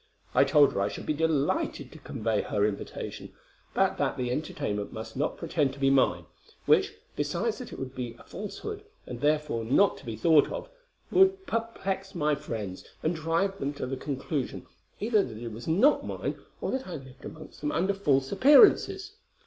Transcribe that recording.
I told her I should be delighted to convey her invitation, but that the entertainment must not pretend to be mine; which, besides that it would be a falsehood, and therefore not to be thought of, would perplex my friends, and drive them to the conclusion either that it was not mine, or that I lived amongst them under false appearances.